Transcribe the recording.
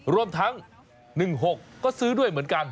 รวมทั้ง๑๖ก็ซื้อด้วยเหมือนกัน